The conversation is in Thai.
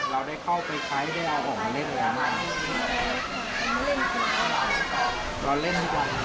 เราได้เข้าไปใช้ด้วยอาหารเล่นแล้วเราเล่นที่ก่อน